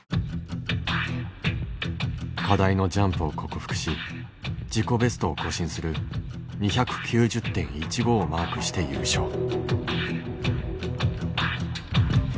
課題のジャンプを克服し自己ベストを更新する２９０．１５をマークして優勝。